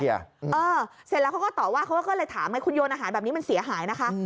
เสร็จแล้วเขาก็ตอบว่าเขาก็เลยถามไงคุณโยนอาหารแบบนี้มันเสียหายนะคะ